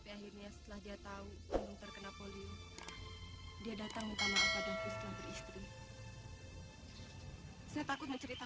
kamu telah menjalankan wajiban kamu sebagai seorang imam